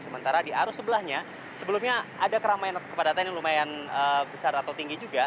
sementara di arus sebelahnya sebelumnya ada keramaian kepadatan yang lumayan besar atau tinggi juga